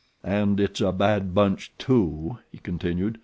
"And it's a bad bunch, too," he continued.